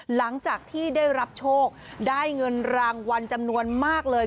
หลังจากที่ได้รับโชคได้เงินรางวัลจำนวนมากเลย